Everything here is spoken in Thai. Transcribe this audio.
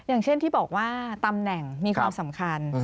อย่างเช่นที่บอกว่าตำแหน่งมีความสำคัญ